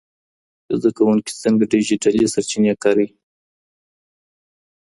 زده کوونکي څنګه ډیجیټلي سرچینې کاروي؟